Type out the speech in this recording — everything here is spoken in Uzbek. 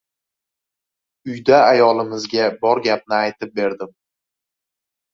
Uyda ayolimizga bor gapni aytib berdim.